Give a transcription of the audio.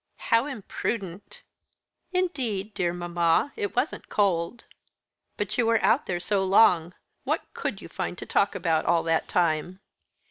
"How imprudent!" "Indeed, dear mamma, it wasn't cold." "But you were out there so long. What could you find to talk about all that time?"